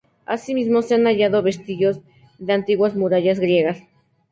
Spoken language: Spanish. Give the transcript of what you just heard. Así mismo se han hallado vestigios de antiguas murallas griegas.